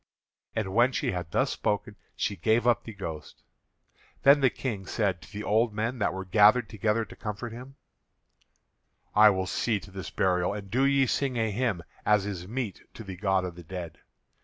And when she had thus spoken she gave up the ghost. Then the King said to the old men that were gathered together to comfort him: "I will see to this burial. And do ye sing a hymn as is meet to the god of the dead.